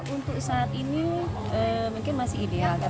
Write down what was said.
untuk saat ini mungkin masih ideal